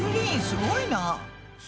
すごいね。